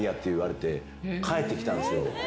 返ってきたんですよ。